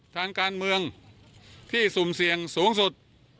ทางการเมืองที่สุ่มเสี่ยงสูงสุด